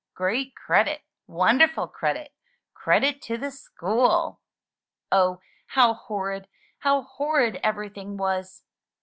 Great credit! Wonderful credit! Credit to the scho ol!*' Oh, how horrid, how horrid everything was!